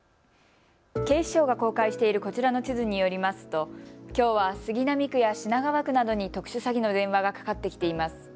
警視庁が公開しているこちらの地図によりますときょうは杉並区や品川区などに特殊詐欺の電話がかかってきています。